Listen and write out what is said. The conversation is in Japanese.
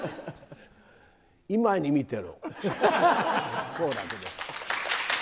今に見てろ。